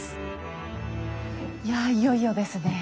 いやいよいよですねえ。